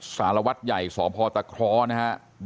สารวัตรใหญ่สพตะคร้อนะครับ